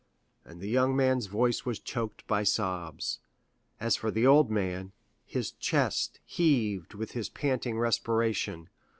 And the young man's voice was choked by sobs. As for the old man, his chest heaved with his panting respiration.